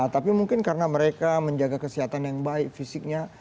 tapi mungkin karena mereka menjaga kesehatan yang baik fisiknya